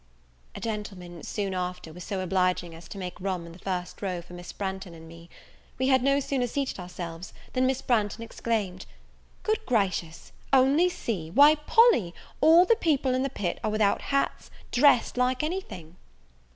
A gentleman, soon after, was so obliging as to make room in the front row for Miss Branghton and me. We had no sooner seated ourselves, than Miss Branghton exclaimed, "Good gracious! only see! why, Polly, all the people in the pit are without hats, dressed like anything!"